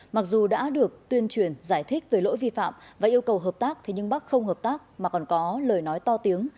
mặc dù đã được tuyên truyền giải thích về lỗi vi phạm và yêu cầu hợp tác nhưng bắc không hợp tác mà còn có lời nói to tiếng